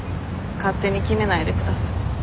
勝手に決めないで下さい。